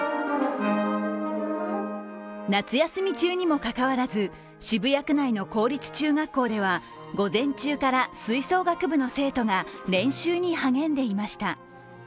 夏休み中にもかかわらず渋谷区内の公立中学校では午前中から吹奏楽部の生徒が練習に励んでいました。